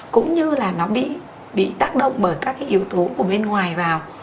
cũng như là nó bị tác động bởi các cái yếu tố của bên ngoài vào